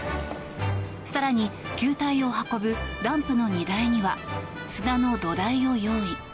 更に球体を運ぶダンプの荷台には砂の土台を用意。